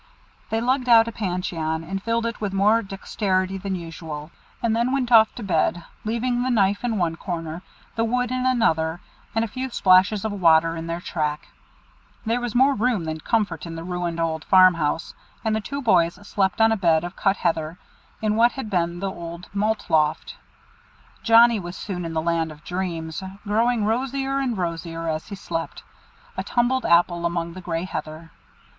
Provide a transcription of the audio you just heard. They lugged out a pancheon, and filled it with more dexterity than usual, and then went off to bed, leaving the knife in one corner, the wood in another, and a few splashes of water in their track. There was more room than comfort in the ruined old farm house, and the two boys slept on a bed of cut heather, in what had been the old malt loft. Johnnie was soon in the land of dreams, growing rosier and rosier as he slept, a tumbled apple among the grey heather.